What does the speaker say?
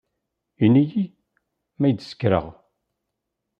Ini-iyi ma yd skareɣ.